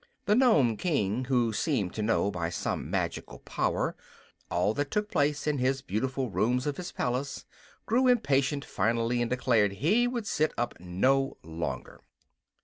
The Nome King, who seemed to know, by some magical power, all that took place in his beautiful rooms of his palace, grew impatient finally and declared he would sit up no longer.